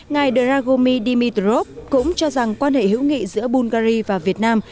ngài dragomi dimitrov cũng cho rằng quan hệ hữu nghị giữa bulgaria và việt nam